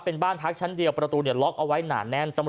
เป็นบ้านพักชั้นเดียวประตูเนี่ยล็อกเอาไว้หนาแน่น